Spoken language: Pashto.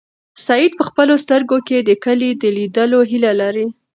سعید په خپلو سترګو کې د کلي د لیدلو هیله لري.